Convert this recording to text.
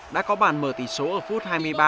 đã có bàn mở tỷ số ở phút hai mươi ba